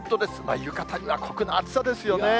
浴衣には酷な暑さですよね。